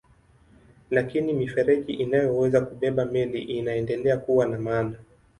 Lakini mifereji inayoweza kubeba meli inaendelea kuwa na maana.